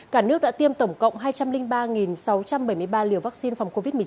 cả nước đã tiêm tổng cộng hai trăm linh ba sáu trăm bảy mươi ba liều vaccine phòng covid một mươi chín